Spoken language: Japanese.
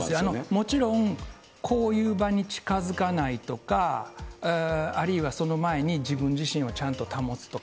もちろんこういう場に近づかないとか、あるいはその前に自分自身をちゃんと保つと。